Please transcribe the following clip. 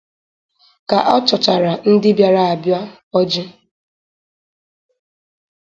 Ka ọ chọchaara ndị bịara abịa ọjị